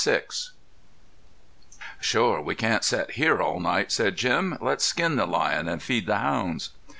VI "Shore we can't set here all night," said Jim. "Let's skin the lion an' feed the hounds."